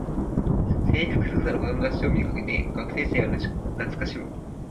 制服姿の子どもたちを見かけて学生時代を懐かしむ